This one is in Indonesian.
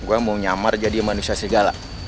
gue mau nyamar jadi manusia segala